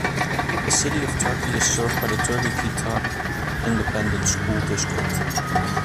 The City of Turkey is served by the Turkey-Quitaque Independent School District.